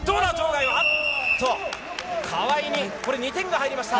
川井に２点が入りました。